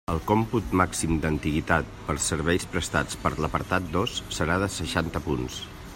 El còmput màxim d'antiguitat per serveis prestats per l'apartat dos serà de seixanta punts.